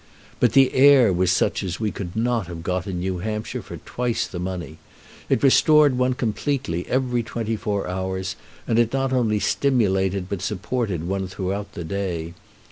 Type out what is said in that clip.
But the air was such as we could not have got in New Hampshire for twice the money. It restored one completely every twenty four hours, and it not only stimulated but supported one throughout the day.